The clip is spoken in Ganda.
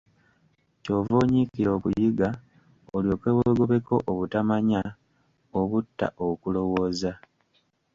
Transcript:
Ky'ova onyiikira okuyiga, olyoke weegobeko obutamanya, obutta okulowooza.